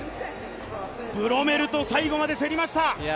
ブロメルと最後まで競りました。